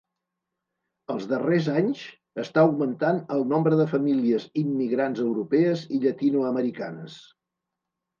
Els darrers anys, està augmentant el nombre de famílies immigrants europees i llatinoamericanes.